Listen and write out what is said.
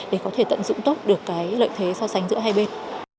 để có thể tận dụng tốt được cái lợi thế so sánh giữa hai bên